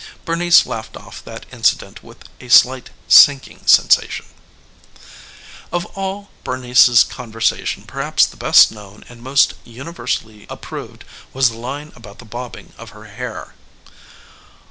Bernice laughed off that incident with a slight sinking sensation. Of all Bernice's conversation perhaps the best known and most universally approved was the line about the bobbing of her hair.